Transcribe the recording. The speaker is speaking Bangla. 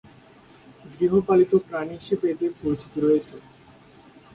গৃহপালিত প্রাণী হিসেবে এদের পরিচিতি রয়েছে।